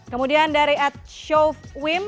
kemudian dari at showwim